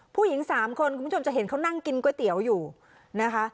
ผู้หญิงสามคนคุณผู้ชมจะเห็นเขานั่งกินก๋วยเตี๋ยวอยู่นะคะ